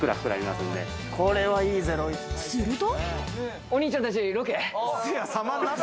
すると。